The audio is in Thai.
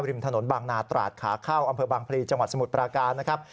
ริมถนนบางนาตราดขาเข้าอำเภอบางพลีจังหวัดสมุทรปราการนะครับ